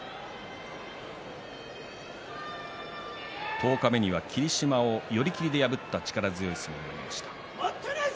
十日目には霧島を寄り切りで破った力強い相撲がありました。